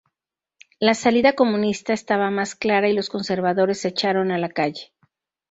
La salida comunista estaba más clara y los conservadores se echaron a la calle.